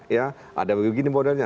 ya ada begini modelnya